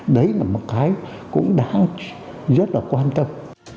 đấy là một cái cũng đã rất là quan tâm